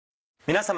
皆様。